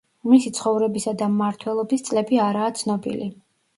მისი ცხოვრებისა და მმართველობის წლები არაა ცნობილი.